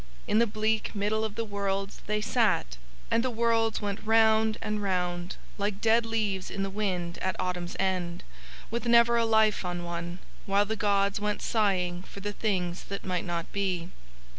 In the bleak middle of the worlds They sat and the worlds went round and round, like dead leaves in the wind at Autumn's end, with never a life on one, while the gods went sighing for the things that might not be.